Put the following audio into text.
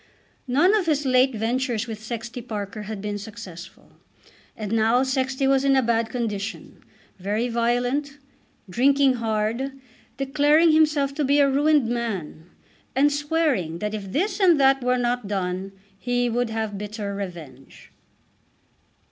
None of his late ventures with Sexty Parker had been successful. And now Sexty was in a bad condition, very violent, drinking hard, declaring himself to be a ruined man, and swearing that if this and that were not done he would have bitter revenge.